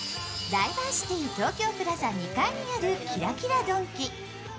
ダイバーシティ東京プラザ２階にあるキラキラドンキ。